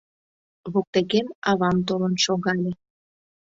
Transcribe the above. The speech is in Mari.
Воктекем авам толын шогале.